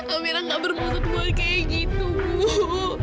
amira enggak bermaksud buat kayak gitu bu